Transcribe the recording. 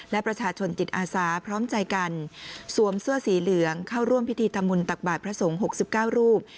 และประชาชนจิตอาสาพร้อมใจกันสวมเสื้อสีเหลืองเข้าร่วมพิธีทำบุญตักบาทพระสงฆ์๖๙รูป